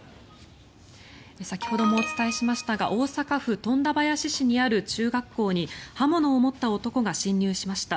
先ほどもお伝えしましたが大阪府富田林市にある中学校に刃物を持った男が侵入しました。